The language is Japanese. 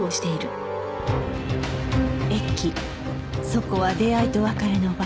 そこは出会いと別れの場